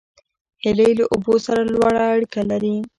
هیلۍ له اوبو سره لوړه اړیکه لري